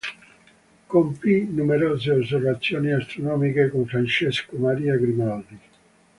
Compì numerose osservazioni astronomiche con Francesco Maria Grimaldi.